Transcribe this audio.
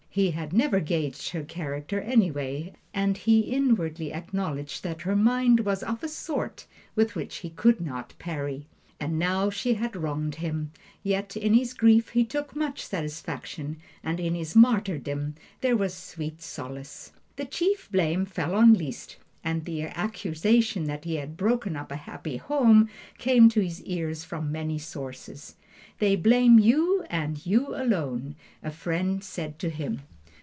He had never gauged her character, anyway, and he inwardly acknowledged that her mind was of a sort with which he could not parry. And now she had wronged him; yet in his grief he took much satisfaction, and in his martyrdom there was sweet solace. The chief blame fell on Liszt, and the accusation that he had "broken up a happy home" came to his ears from many sources. "They blame you and you alone," a friend said to him.